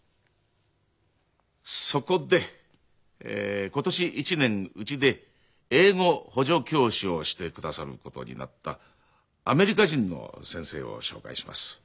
そこで今年１年うちで英語補助教師をしてくださることになったアメリカ人の先生を紹介します。